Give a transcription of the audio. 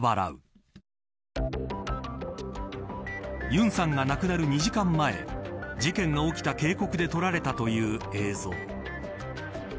ユンさんが亡くなる２時間前事件が起きた渓谷で撮られたという映像。